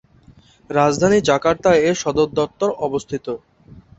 রাজধানী জাকার্তায় এর সদর দপ্তর অবস্থিত।